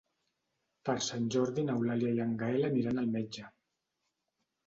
Per Sant Jordi n'Eulàlia i en Gaël aniran al metge.